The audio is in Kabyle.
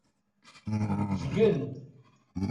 Tgen.